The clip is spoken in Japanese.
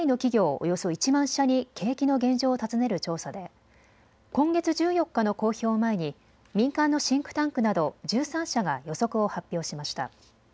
およそ１万社に景気の現状を尋ねる調査で今月１４日の公表を前に民間のシンクタンクなど１３社が予測を発表しました。